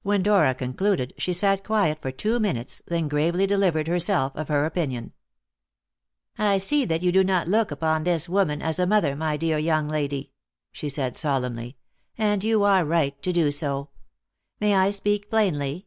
When Dora concluded, she sat quiet for two minutes, then gravely delivered herself of her opinion. "I see that you do not look upon this woman as a mother, my dear young lady," she said solemnly, "and you are right to do so. May I speak plainly?"